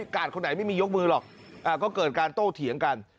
คนไหนไม่มียกมือหรอกก็เกิดการโต้เถียงกัน